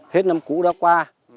hết năm cũ đã qua